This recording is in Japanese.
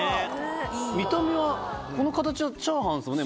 見た目はこの形はチャーハンですもんね